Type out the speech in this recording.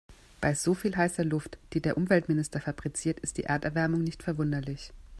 Bei so viel heißer Luft, die der Umweltminister fabriziert, ist die Erderwärmung nicht verwunderlich.